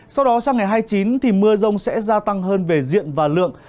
sau đó sáng ngày hai mươi chín mưa rông sẽ gia tăng hơn về diện và lượng